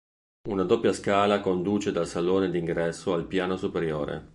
Una doppia scala conduce dal salone di ingresso al piano superiore.